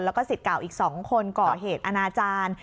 แล้วก็สิทธิ์เก่าอีก๒คนก่อเหตุอนาจารย์